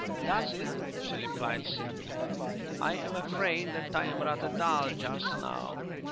"Does it?" she replied simply. "I am afraid that I am rather dull just now.